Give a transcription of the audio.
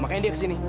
makanya dia kesini